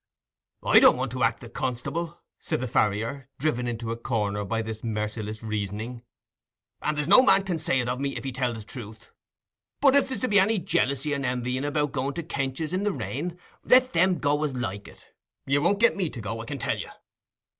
"I don't want to act the constable," said the farrier, driven into a corner by this merciless reasoning; "and there's no man can say it of me, if he'd tell the truth. But if there's to be any jealousy and en_vy_ing about going to Kench's in the rain, let them go as like it—you won't get me to go, I can tell you."